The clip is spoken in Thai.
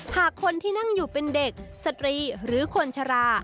หากคนที่นั่งอยู่เป็นเด็กสตรีหรือคนชรา